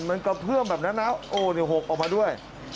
มันกระเพื่อมแบบนั้นนะโอ้หกออกมาด้วย